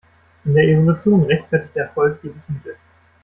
In der Evolution rechtfertigt der Erfolg jedes Mittel.